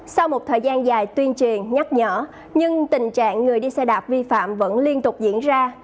sau một thời gian dài tuyên truyền nhắc nhở nhưng tình trạng người đi xe đạp vi phạm vẫn liên tục diễn ra